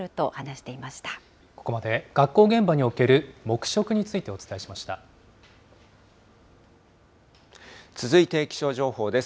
ここまで学校現場における黙続いて気象情報です。